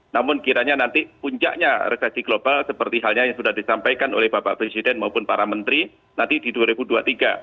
namun kiranya nanti puncaknya resesi global seperti halnya yang sudah disampaikan oleh bapak presiden maupun para menteri nanti di dua ribu dua puluh tiga